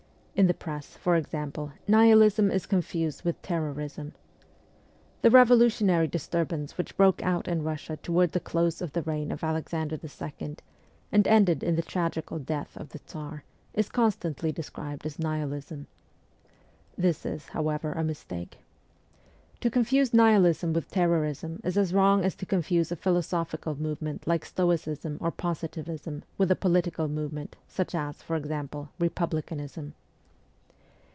In the press, for example, Nihilism is con fused with terrorism. The revolutionary disturbance which broke out in Russia toward the close of the reign of Alexander II., and ended in the tragical death of the Tsar, is constantly described as Nihilism. This is, however, a mistake. To coniuse Nihilism with terrorism is as wrong as to confuse a philosophical movement like Stoicism or Positivism with a political movement, such as, for example, republicanism.